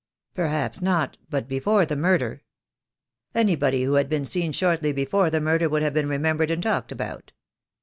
"Perhaps not — but before the murder " "Anybody wTho had been seen shortly before the murder would have been remembered and talked about.